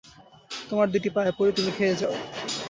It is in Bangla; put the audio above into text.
তোমার দুটি পায়ে পড়ি, তুমি খেয়ে যাও।